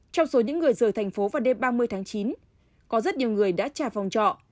trong số những người rời thành phố vào đêm ba mươi tháng chín có rất nhiều người đã trả phòng trọ